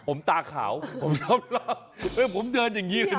ผมตาขาวผมรับเฮ้ยผมเดินอย่างนี้เลย